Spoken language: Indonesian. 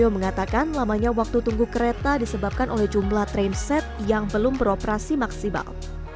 mengatakan lamanya waktu tunggu kereta disebabkan oleh jumlah trainset yang belum beroperasi maksimal